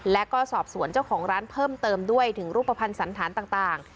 และก็สอบสวนเจ้าของร้านเพิ่มเติมด้วยถึงรูปภัณฑ์สันธารต่าง